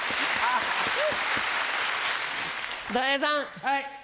はい。